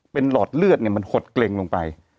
เป็นหลอดเลือดเนี่ยมันหดเกร็งลงไป